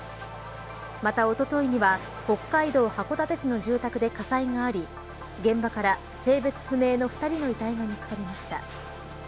また、おとといには北海道函館市の住宅で火災があり現場から、性別不明の２人の遺体が見つかりました。